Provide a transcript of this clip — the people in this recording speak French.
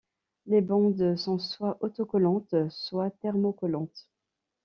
Les bandes sont soit autocollantes soit thermocollantes.